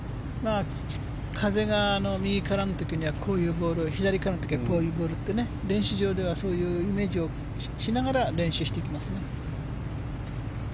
風が右からの時はこういうボールを左からの時はこういうボールって練習場ではそういうイメージをしながら練習していきますね。